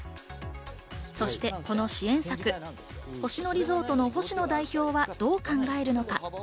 そしてこの支援策、星野リゾートの星野代表はどう考えるのか？